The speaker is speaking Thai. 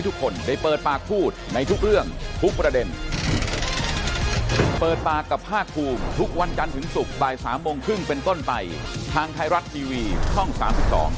ตอนนี้ก็ใช้รถน้องโมนะคะอืมอืมดีกว่า